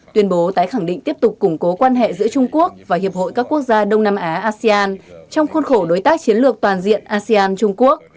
tuyên bố tái khẳng định tiếp tục củng cố quan hệ giữa trung quốc và hiệp hội các quốc gia đông nam á asean trong khuôn khổ đối tác chiến lược toàn diện asean trung quốc